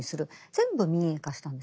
全部民営化したんですね。